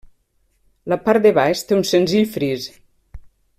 La part de baix té un senzill fris.